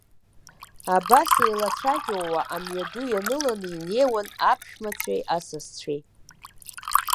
Абас еицәажәауа амҩа ду ианыланы инеиуан аԥшәмацәеи асасцәеи.